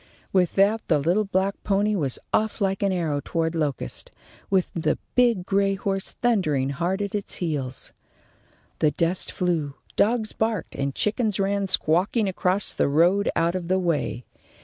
With that the little black pony was off like an arrow toward Locust, with the big gray horse thundering hard at its heels. The dust flew, dogs barked, and chickens ran squawking across the road out of the way.